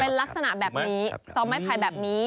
เป็นลักษณะแบบนี้ซ้อมไม้ไผ่แบบนี้